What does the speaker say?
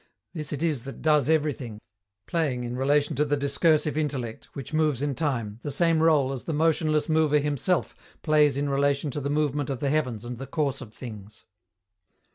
This it is that "does everything," playing in relation to the discursive intellect, which moves in time, the same rôle as the motionless Mover himself plays in relation to the movement of the heavens and the course of things.